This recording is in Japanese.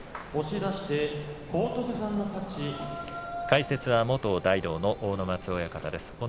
解説は元大道の阿武松親方です。